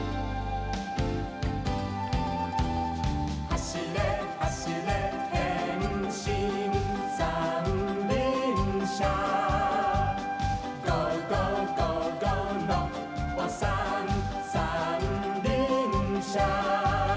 「はしれはしれへんしんさんりんしゃ」「ゴーゴーゴーゴーノッポさんさんりんしゃ」